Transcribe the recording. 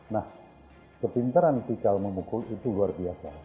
nah kepintaran pikal memukul itu luar biasa